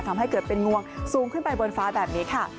ทำให้เกิดเป็นงวงสูงขึ้นไปบนฟ้าแบบนี้ค่ะ